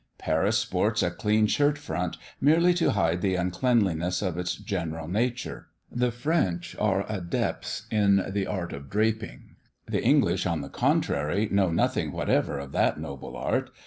Paris sports a clean shirt front merely to hide the uncleanliness of its general nature. The French are adepts in the art of draping. The English, on the contrary, know nothing whatever of that noble art.